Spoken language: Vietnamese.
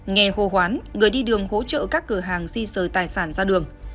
nghe hô hoán người đi đường hỗ trợ các cửa hàng di rời tài sản ra đường